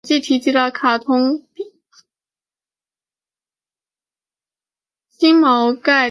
星毛冠盖藤为虎耳草科冠盖藤属下的一个种。